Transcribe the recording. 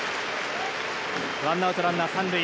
ワンアウトランナー、３塁。